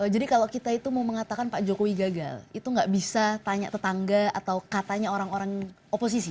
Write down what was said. jadi kalau kita itu mau mengatakan pak jokowi gagal itu tidak bisa tanya tetangga atau katanya orang orang oposisi